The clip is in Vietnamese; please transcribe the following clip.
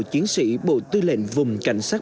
chiến sĩ bộ tư lệnh vùng cảnh sát